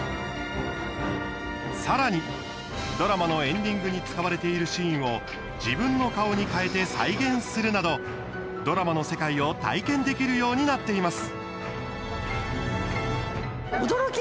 さらにドラマのエンディングに使われているシーンを自分の顔に替えて再現するなどドラマの世界を体験できるようになっています。